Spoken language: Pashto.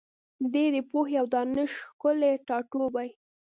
دی د پوهي او دانش ښکلی ټاټوبی